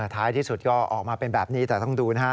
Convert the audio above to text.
ท้ายที่สุดก็ออกมาเป็นแบบนี้แต่ต้องดูนะฮะ